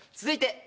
続いて。